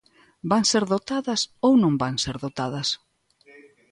¿Van ser dotadas ou non van ser dotadas?